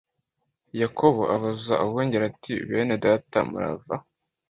yakobo abaza abungeri ati bene data murava